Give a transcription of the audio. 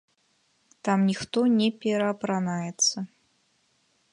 Там ніхто не пераапранаецца.